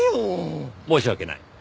申し訳ない。